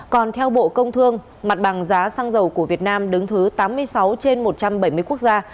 còn theo bộ công thương mặt bằng giá xăng dầu của việt nam đứng thứ tám mươi sáu trên một trăm bảy mươi quốc gia